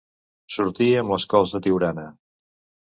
Sortir amb les cols de Tiurana.